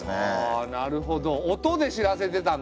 あなるほど音で知らせてたんだ。